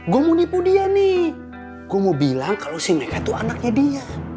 gue mau nipu dia nih gue mau bilang kalo si meka tuh anaknya dia